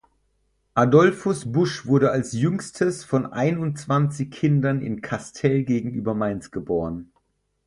Adolphus Busch wurde als jüngstes von einundzwanzig Kindern in Kastel gegenüber Mainz geboren.